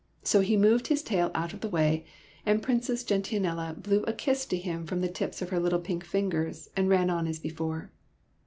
So he moved his tail out of the way, and Princess Gentian ella blew a kiss to him from the tips of her little pink fingers and ran on as before.